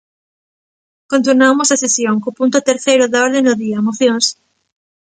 Continuamos a sesión, co punto terceiro da orde do día: mocións.